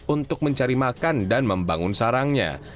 untuk mencari makan dan membangun sarangnya